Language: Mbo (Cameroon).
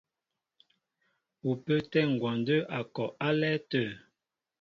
Ú pə́ə́tɛ́ ngwɔndə́ a kɔ álɛ́ɛ́ tə̂.